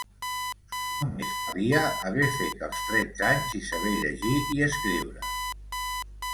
Només calia haver fet els tretze anys i saber llegir i escriure.